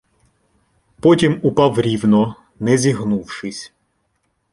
Потім упав рівно, не зігнувшись.